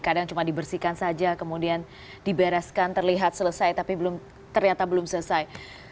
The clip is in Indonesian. kadang cuma dibersihkan saja kemudian dibereskan terlihat selesai tapi ternyata belum selesai